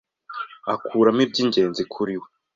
akuramo iby’ingenzi kuri we